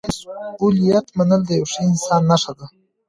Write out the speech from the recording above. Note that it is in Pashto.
مسؤلیت منل د یو ښه انسان نښه ده.